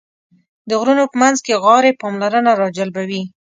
د غرونو په منځ کې غارې پاملرنه راجلبوي.